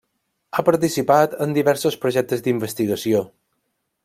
Ha participat en diversos projectes d'investigació.